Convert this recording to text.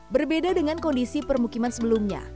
berbeda dengan kondisi permukiman sebelumnya